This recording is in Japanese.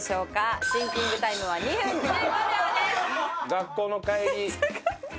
学校の帰り。